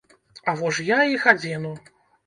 А во ж я іх адзену.